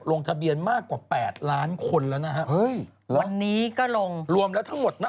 ลงทะเบียนมากกว่าแปดล้านคนแล้วนะฮะเฮ้ยวันนี้ก็ลงรวมแล้วทั้งหมดน่ะ